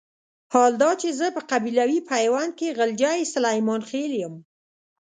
حال دا چې زه په قبيلوي پيوند کې غلجی سليمان خېل يم.